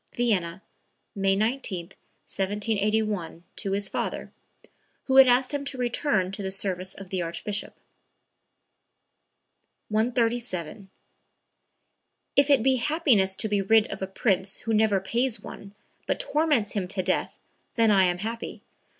(Vienna, May 19, 1781, to his father, who had asked him to return to the service of the Archbishop.) 137. "If it be happiness to be rid of a prince who never pays one, but torments him to death, then I am happy.